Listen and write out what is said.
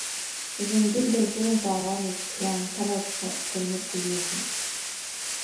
Зынгьы дырзеилкаауамызт иаамҭалатәқуак Дырмит Гулиагьы!